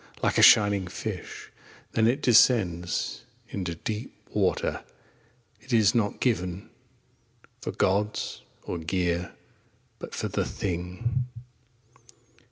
Like a shining Fish Then it descends Into deep Water. It is not given For goods or gear, But for The Thing.